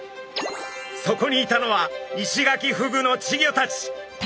そこにいたのはイシガキフグの稚魚たち。